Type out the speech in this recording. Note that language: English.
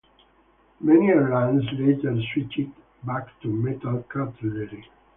Many airlines later switched back to metal cutlery.